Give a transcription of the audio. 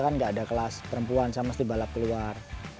kan nggak ada kelas perempuan saya mesti balap keluar